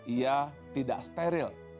ia tidak steril